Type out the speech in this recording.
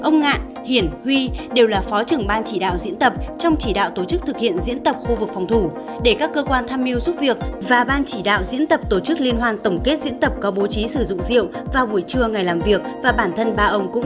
cả ba ông ngạn hiển và huy chịu trách nhiệm trong việc lãnh đạo chỉ đạo quản lý giáo dục đảng viên công chức